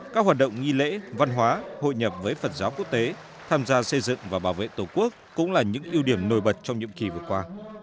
các hoạt động nghi lễ văn hóa hội nhập với phật giáo quốc tế tham gia xây dựng và bảo vệ tổ quốc cũng là những ưu điểm nổi bật trong nhiệm kỳ vừa qua